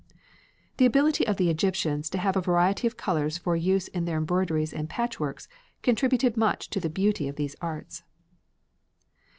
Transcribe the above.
The ability of the Egyptians to have a variety of colours for use in their embroideries and patchworks contributed much to the beauty of these arts.